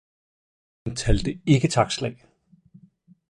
Dirigenten talte ikke taktslag